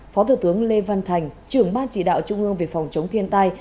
phó thủ tướng lê văn thành trưởng ban chỉ đạo trung ương về phòng chống thiên tai